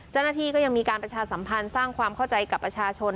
เจ้าหน้าที่ก็ยังมีการประชาสัมพันธ์สร้างความเข้าใจกับประชาชน